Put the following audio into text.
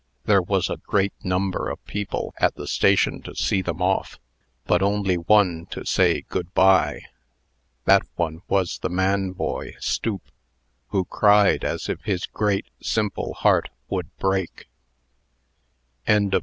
There was a great number of people at the station to see them off, but only one to say "good by." That one was the man boy Stoop, who cried as if his great, simple heart would break. BOOK EIGHTH.